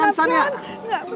gak perhianat kan